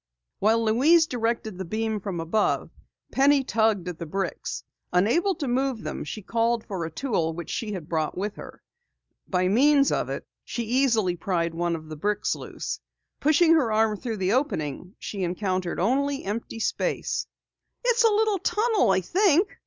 While Louise directed the beam from above, Penny tugged at the bricks. Unable to move them, she called for a tool which she had brought with her. By means of it, she easily pried one of the bricks loose. Pushing her arm through the opening, she encountered only empty space. "It's a little tunnel I think!"